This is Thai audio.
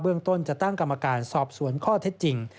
เรื่องต้นจะตั้งกรรมการสอบสวนข้อเท็จจริง